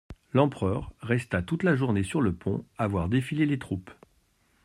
L'empereur resta toute la journée sur le pont à voir défiler les troupes.